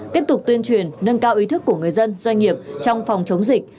tiếp tục tuyên truyền nâng cao ý thức của người dân doanh nghiệp trong phòng chống dịch